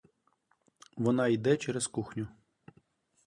Вона йде через кухню.